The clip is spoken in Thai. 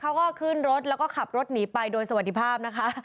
เขาก็ขึ้นรถแล้วก็ขับรถหนีไปโดยสวัสดีภาพนะคะ